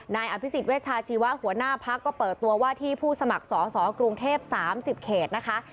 นายอภิษฎเวชาชีวะหัวหน้าพักก็เปิดตัวว่าที่ผู้สมัครสอสอกรุงเทพ๓๐เขตนะคะ